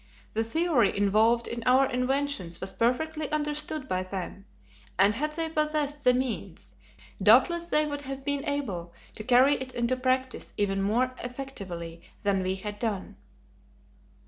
The theory involved in our inventions was perfectly understood by them, and had they possessed the means, doubtless they would have been able to carry it into practice even more effectively than we had done.